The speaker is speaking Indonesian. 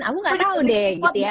aku nggak tahu deh gitu ya